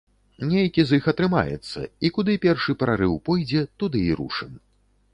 Нейкі з іх атрымаецца, і куды першы прарыў пойдзе, туды і рушым.